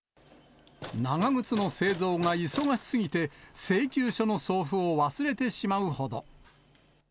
長靴の製造が忙しすぎて、請求書の送付を忘れてしまうほど。